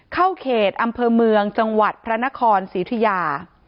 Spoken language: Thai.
เข้าเขตอำเภอเมืองจังหวัดพระนครศรีอุทิยา